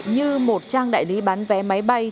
như một trang đại lý bán vé máy bay